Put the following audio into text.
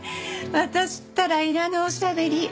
私ったら要らぬおしゃべり。